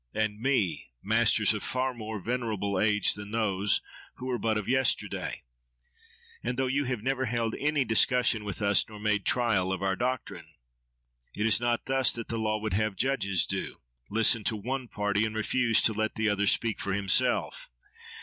—and me?—masters of far more venerable age than those, who are but of yesterday; and though you have never held any discussion with us, nor made trial of our doctrine? It is not thus that the law would have judges do—listen to one party and refuse to let the other speak for himself.